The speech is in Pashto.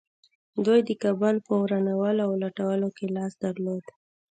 دوی د کابل په ورانولو او لوټولو کې لاس درلود